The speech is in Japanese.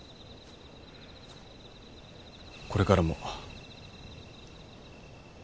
これからも。